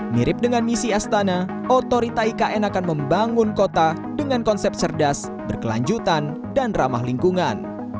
mirip dengan misi astana otorita ikn akan membangun kota dengan konsep cerdas berkelanjutan dan ramah lingkungan